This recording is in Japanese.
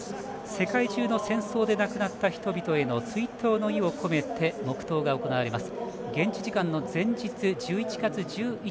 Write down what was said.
世界中の戦争で亡くなった人々への追悼の意を込めて黙とうが行われます。